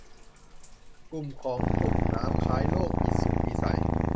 กลุ่มของตุ่มน้ำคล้ายโรคอีสุกอีใส